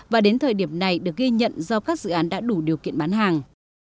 và đến thời điểm này được ghi nhận do các dự án đã đủ điều kiện bán hàng